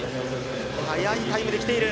早いタイムできている。